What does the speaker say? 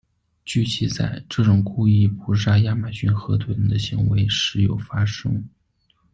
据记载，这种故意捕杀亚马逊河豚的行为时有发生。